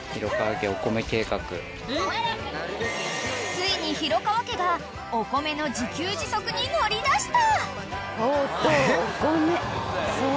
［ついに廣川家がお米の自給自足に乗り出した］